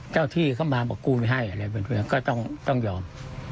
เจ้าที่เขามาบอกว่ากูไม่ให้อะไรดิแบบนี้ก็ต้องต้องยอม